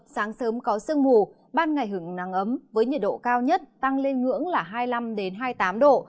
sáng sớm có sương mù ban ngày hưởng nắng ấm với nhiệt độ cao nhất tăng lên ngưỡng là hai mươi năm hai mươi tám độ